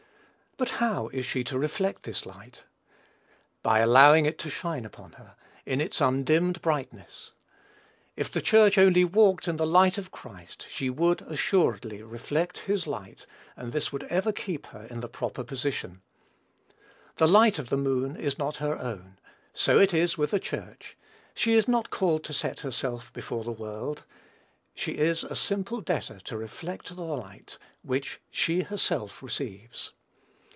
But how is she to reflect this light? By allowing it to shine upon her, in its undimmed brightness. If the Church only walked in the light of Christ, she would, assuredly, reflect his light; and this would ever keep her in her proper position. The light of the moon is not her own. So it is with the Church. She is not called to set herself before the world. She is a simple debtor to reflect the light which she herself receives.